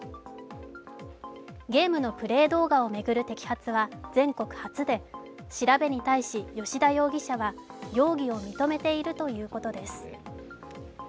ゲームのプレー動画を巡る摘発は全国初で、調べに対し吉田容疑者は容疑を認めているということです。